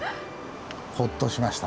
ほっとしました。